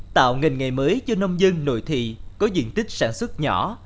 tạo ngành nghề mới cho nông dân nội thị có diện tích sản xuất nhỏ